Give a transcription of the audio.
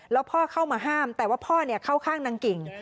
แล้วพ่อเข้ามาห้ามแต่ว่าพ่อเข้าข้างนางกิ่ง